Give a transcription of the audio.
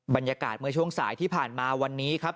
บรรยากาศเมื่อช่วงสายที่ผ่านมาวันนี้ครับ